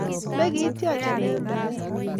Ne Ki 'tiacha eng' me-et,